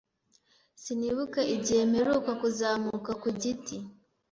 Sinibuka igihe mperuka kuzamuka ku giti.